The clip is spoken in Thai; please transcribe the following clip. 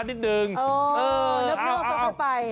นับเรื่องค่ะ